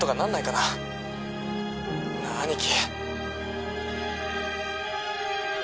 なあ兄貴。